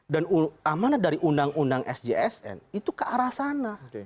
dan amanat dari undang undang sjsn itu ke arah sana